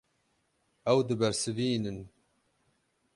Ew dibersivînin.